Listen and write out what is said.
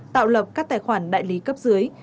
tạo lập các tài khoản đại lý cấp dưới